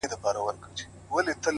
هره لاسته راوړنه د جرئت ثمره ده’